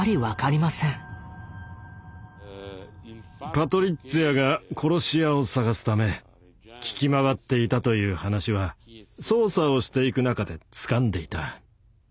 パトリッツィアが殺し屋を探すため聞き回っていたという話は捜査をしていく中でつかんでいた。